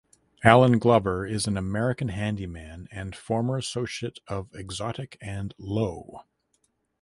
Allen Glover is an American handyman and former associate of Exotic and Lowe.